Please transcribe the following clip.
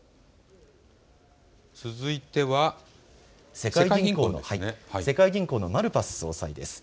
続いては世界銀行のマルパス総裁です。